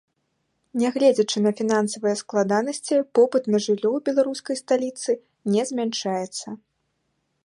Нягледзячы на фінансавыя складанасці, попыт на жыллё ў беларускай сталіцы не змяншаецца.